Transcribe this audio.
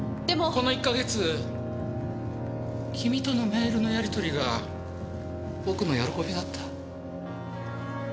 この１か月君とのメールのやり取りが僕の喜びだった。